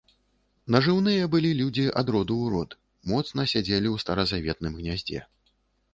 Нажыўныя былі людзі ад роду ў род, моцна сядзелі ў старазаветным гняздзе.